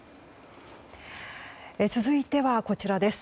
続いては、こちらです。